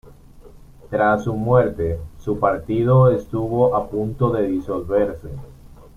Tras su muerte, su partido estuvo a punto de disolverse.